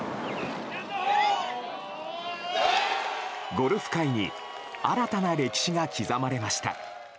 ゴルフ界に新たな歴史が刻まれました。